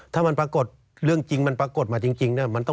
ถ้ามันปรากฏเรื่องจริงมันปรากฏมาจริง